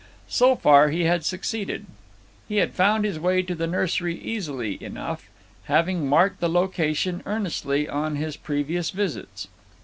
So far he had succeeded. He had found his way to the nursery easily enough, having marked the location earnestly on his previous visits.